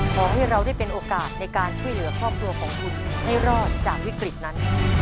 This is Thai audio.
ขอให้เราได้เป็นโอกาสในการช่วยเหลือครอบครัวของคุณให้รอดจากวิกฤตนั้น